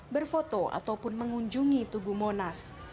berfoto ataupun mengunjungi tugu monas